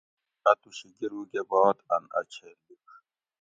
اتوشی گیروگہ بعد ان اۤ چھیل لیِڄ